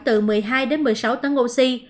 từ một mươi hai một mươi sáu tấn oxy